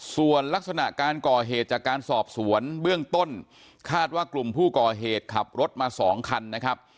ส่วนลักษณะการก่อเหตุจากการสอบสวนเบื้องต้นคาดว่ากลุ่มผู้ก่อเหตุขับรถมา๒คันนะครับ